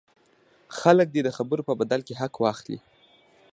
خلک دې د خبرو په بدل کې حق واخلي.